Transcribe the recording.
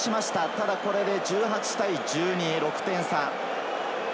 ただ、これで１８対１２、６点差。